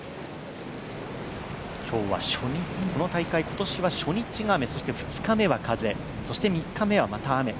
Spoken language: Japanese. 今日はこの大会初日が雨そして２日目は風、そして３日目はまた雨。